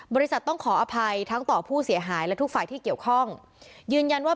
บริษัทต้องขออภัยทั้งต่อผู้เสียหายและทุกฝ่ายที่เกี่ยวข้องยืนยันว่า